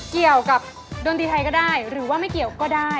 เกี่ยวกับดนตรีไทยก็ได้หรือว่าไม่เกี่ยวก็ได้